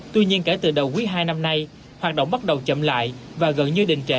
tuy nhiên kể từ đầu quý hai năm nay hoạt động bắt đầu chậm lại và gần như đình trệ